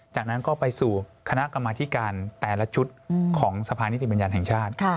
จากนั้นก็ไปสู่คณะกรรมธิการแต่ละชุดของสภานิติบัญญัติแห่งชาติ